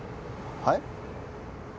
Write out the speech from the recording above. はい？